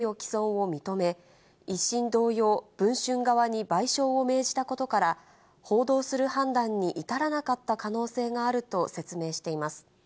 その上で、２審判決が一部の記事について名誉毀損を認め、１審同様、文春側に賠償を命じたことから、報道する判断に至らなかった可能性があると説明しています。